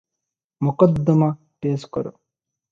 ମକଦ୍ଦମା ପେଶ୍ କର ।